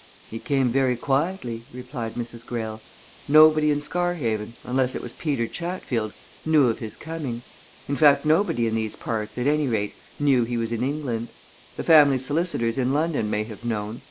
"He came very quietly," replied Mrs. Greyle. "Nobody in Scarhaven unless it was Peter Chatfield knew of his coming. In fact, nobody in these parts, at any rate knew he was in England. The family solicitors in London may have known.